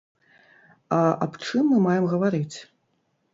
А аб чым мы маем гаварыць?